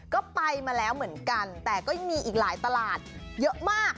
ก็ไปมาแล้วเหมือนกันแต่ก็ยังมีอีกหลายตลาดเยอะมาก